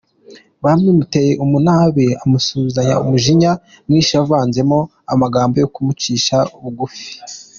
Byamuteye umunabi amusubizanya umujinya mwinshi uvanzemo amagambo yo kumucisha bugufi.